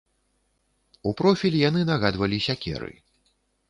У профіль яны нагадвалі сякеры.